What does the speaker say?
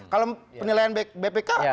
kalau penilaian bpk